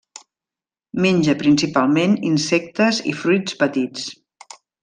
Menja principalment insectes i fruits petits.